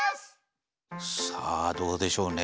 さあどうでしょうね？